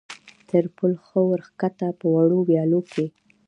تر پل ښه ور کښته، په وړو ویالو کې.